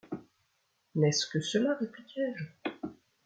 N’est-ce que cela ? répliquai-je.